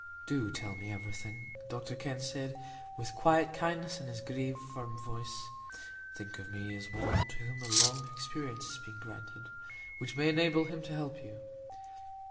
"Do tell me everything," Dr Kenn said, with quiet kindness in his grave, firm voice. "Think of me as one to whom a long experience has been granted, which may enable him to help you."